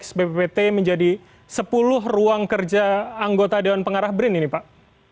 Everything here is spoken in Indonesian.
sppt menjadi sepuluh ruang kerja anggota dewan pengarah brin ini pak